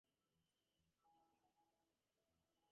The arrow then swaps to point to the other team.